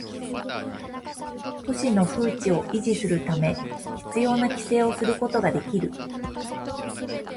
都市の風致を維持するため必要な規制をすることができる